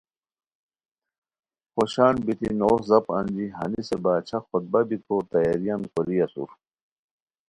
خوشان بیتی نوغ زاپ انجی ہنیسے باچھا خطبہ بیکو تیاریان کوری اسور